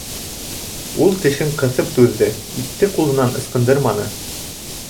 Ул тешен ҡыҫып түҙҙе, итте ҡулынан ыскындырманы.